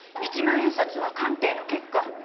１万円札は鑑定の結果